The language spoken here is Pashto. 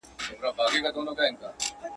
پردی ولات د مړو قدر کموینه.